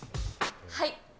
はい。